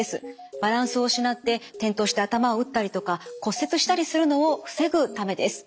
バランスを失って転倒して頭を打ったりとか骨折したりするのを防ぐためです。